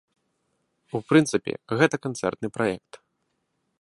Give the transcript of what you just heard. У прынцыпе, гэта канцэртны праект.